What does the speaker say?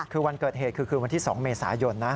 คือวันเกิดเหตุคือคืนวันที่๒เมษายนนะ